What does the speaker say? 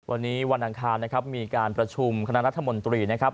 วันนี้วันอังคารนะครับมีการประชุมคณะรัฐมนตรีนะครับ